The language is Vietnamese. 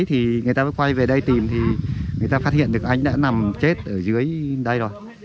thì người ta mới quay về đây tìm thì người ta phát hiện được anh đã nằm chết ở dưới đây rồi